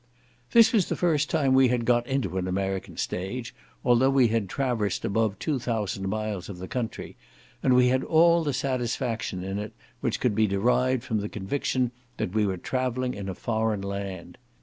This was the first time we had got into an American stage, though we had traversed above two thousand miles of the country, and we had all the satisfaction in it, which could be derived from the conviction that we were travelling in a foreign land.